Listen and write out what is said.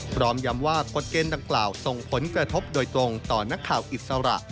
พร้อมย้ำว่ากฎเกณฑ์ดังกล่าวส่งผลกระทบโดยตรงต่อนักข่าวอิสระ